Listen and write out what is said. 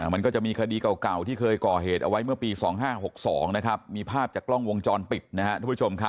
มันก็จะมีคดีเก่าที่เคยก่อเหตุเอาไว้เมื่อปี๒๕๖๒นะครับมีภาพจากกล้องวงจรปิดนะครับ